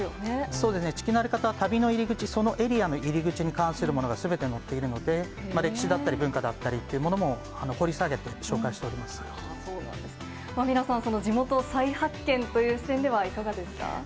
そうですね、地球の歩き方は、旅の入り口、そのエリアの入り口に関するものがすべて載っているので、歴史だったり文化だったりっていうものも、掘り下げて紹介ミラさん、地元再発見という視点ではいかがですか？